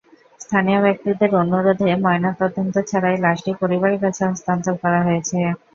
স্থানীয় ব্যক্তিদের অনুরোধে ময়নাতদন্ত ছাড়াই লাশটি পরিবারের কাছে হস্তান্তর করা হয়েছে।